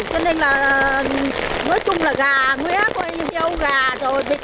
cho nên là nói chung là gà muế coi như heo gà rồi